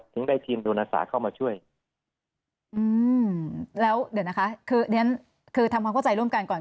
ถึงได้ทีมโดนอาสาเข้ามาช่วยอืมแล้วเดี๋ยวนะคะคือเรียนคือทำความเข้าใจร่วมกันก่อน